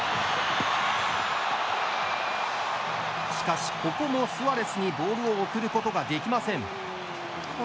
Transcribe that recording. しかし、ここもスアレスにボールを送ることができません。